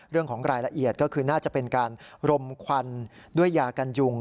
เรื่องของรายละเอียดก็คือน่าจะเป็นการรมควันด้วยยากันยุง